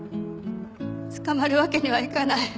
捕まるわけにはいかない。